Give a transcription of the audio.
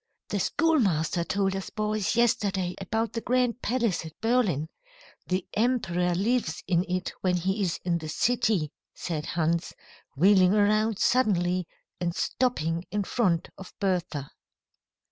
[Illustration: STATUE OF FREDERICK THE GREAT.] "The schoolmaster told us boys yesterday about the grand palace at Berlin. The emperor lives in it when he is in the city," said Hans, wheeling around suddenly and stopping in front of Bertha.